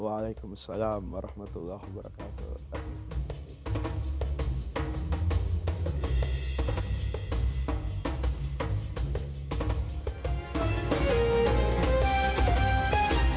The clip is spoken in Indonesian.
waalaikumsalam warahmatullahi wabarakatuh